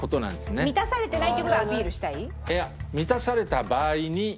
満たされてないっていう事をアピールしたい？